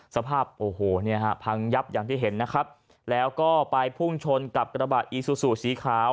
สภาพโอ้โหเนี่ยฮะพังยับอย่างที่เห็นนะครับแล้วก็ไปพุ่งชนกับกระบะอีซูซูสีขาว